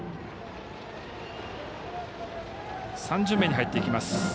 ３巡目に入っていきます。